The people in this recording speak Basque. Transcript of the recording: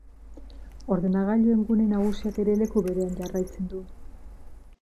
Ordenagailuen gune nagusiak ere leku berean jarraitzen du.